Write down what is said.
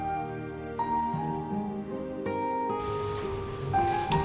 sama mbak bela